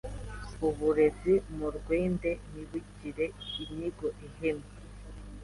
uburezi murwende nibugire inyigo ihemye